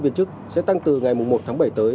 viên chức sẽ tăng từ ngày một tháng bảy tới